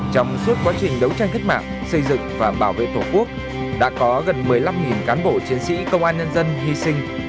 trong suốt quá trình đấu tranh cách mạng xây dựng và bảo vệ tổ quốc đã có gần một mươi năm cán bộ chiến sĩ công an nhân dân hy sinh